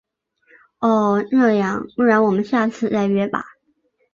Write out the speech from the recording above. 哦……这样，不然我们下次再约吧。